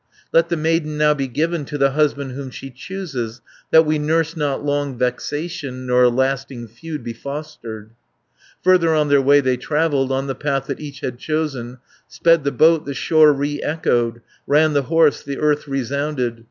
Let the maiden now be given To the husband whom she chooses, That we nurse not long vexation, Nor a lasting feud be fostered." 470 Further on their way they travelled, On the path that each had chosen; Sped the boat, the shore re echoed, Ran the horse, the earth resounded.